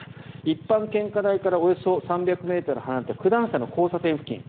一般献花台からおよそ３００ｍ離れた九段下交差点の付近。